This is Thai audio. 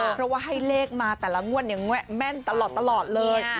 เพราะว่าให้เลขมาแต่ละงวดเนี่ยแม่นตลอดเลย